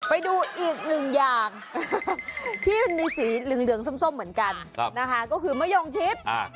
ไปดูอีกหนึ่งอย่างที่มันมีสีเหลืองส้มเหมือนกันนะคะก็คือมะยงชิป